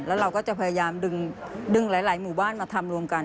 แล้วเราก็จะพยายามดึงหลายหมู่บ้านมาทำรวมกัน